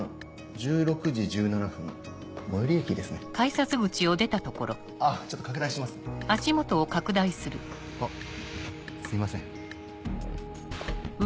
１６時１７分最寄り駅ですねあっちょっと拡大しますねあっすいません